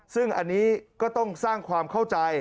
ซึ่งอันนี้ก็ต้องสร้างความเข้าใจ